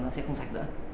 nó sẽ không sạch nữa